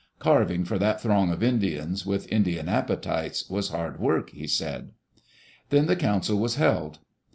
Carving for that throng of Indians, with Indian appetites, was hard work, he said. Then the council was held.